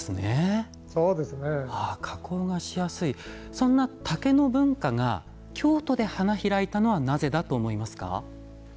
そんな竹の文化が京都で花開いたのはなぜだと思いますか？